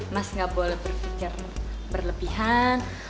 mas nggak boleh berpikir berlebihan